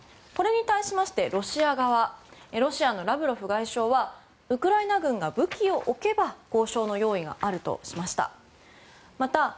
これに対しまして、ロシア側ロシアのラブロフ外相はウクライナ軍が武器を置けば交渉の用意があるとしました。